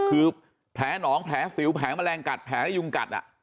คือแผลหนองแผลสิวแผลแมลงกัดแผลแล้วยุงกัด